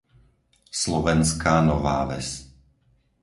Slovenská Nová Ves